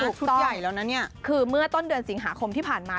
ชุดใหญ่แล้วนะเนี่ยคือเมื่อต้นเดือนสิงหาคมที่ผ่านมา